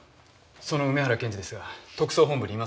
その梅原検事ですが特捜本部にいません。